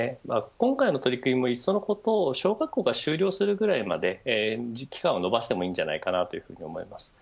今回の取り組みも、いっそのこと小学生が終了するぐらいまで期間を延ばしてもいいんじゃないかなというふうに思います。